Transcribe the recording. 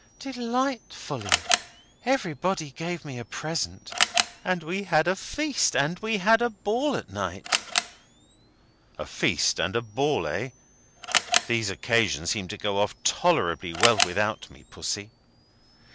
"Delightfully! Everybody gave me a present. And we had a feast. And we had a ball at night." "A feast and a ball, eh? These occasions seem to go off tolerably well without me, Pussy."